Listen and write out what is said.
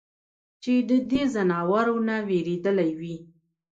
چې د دې ځناورو نه وېرېدلے وي ؟